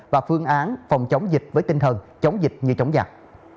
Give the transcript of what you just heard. và phương án phòng chống dịch với tinh thần chống dịch như chống giặc